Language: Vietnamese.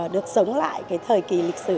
được sống lại cái thời kỳ lịch sử